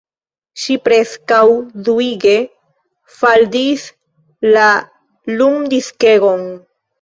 Ŝi preskaŭ duige faldis la lumdiskegon!